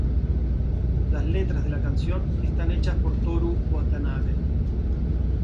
Las letras de la canción están hechas por Tōru Watanabe.